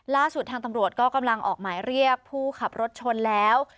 ล่าสุดทางตำรวจก็กำลังออกหมายเรียกผู้ขับรถชนแล้ว